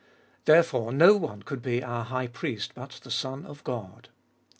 Therefore no one could be our High Priest but the Son of God.